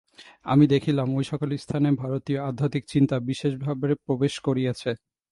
আমি দেখিলাম, ঐ-সকল স্থানে ভারতীয় আধ্যাত্মিক চিন্তা বিশেষভাবে প্রবেশ করিয়াছে।